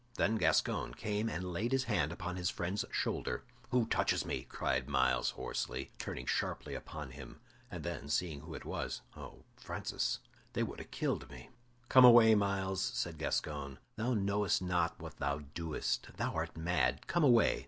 Then Gascoyne came and laid his hand on his friend's shoulder. "Who touches me?" cried Myles, hoarsely, turning sharply upon him; and then, seeing who it was, "Oh, Francis, they would ha' killed me!" "Come away, Myles," said Gascoyne; "thou knowest not what thou doest; thou art mad; come away.